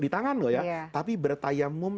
di tangan loh ya tapi bertayamum